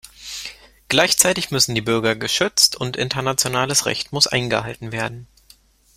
Gleichzeitig müssen die Bürger geschützt und internationales Recht muss eingehalten werden.